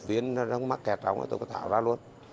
viên nó mắc kẹt đóng là tôi có thảo ra luôn